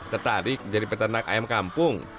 tertarik jadi peternak ayam kampung